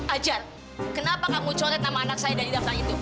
ajar kenapa kamu coret nama anak saya dari daftar itu